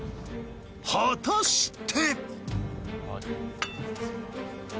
果たして。